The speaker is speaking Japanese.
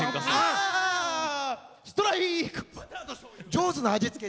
上手な味付け。